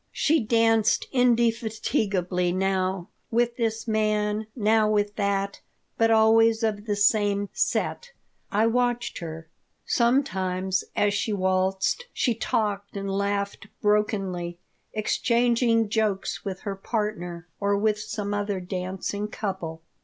She danced indefatigably, now with this man, now with that, but always of the same "set." I watched her. Sometimes, as she waltzed, she talked and laughed brokenly, exchanging jokes with her partner or with some other dancing couple.